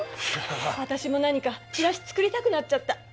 私も何かチラシ作りたくなっちゃった。